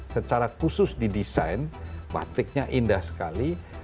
secara khusus didesain batiknya indah sekali